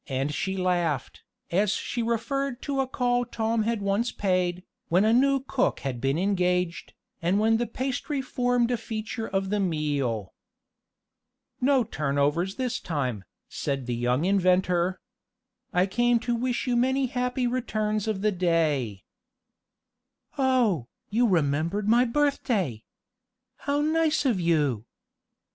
and she laughed, as she referred to a call Tom had once paid, when a new cook had been engaged, and when the pastry formed a feature of the meal. "No turnovers this time," said the young inventor. "I came to wish you many happy returns of the day." "Oh, you remembered my birthday! How nice of you!"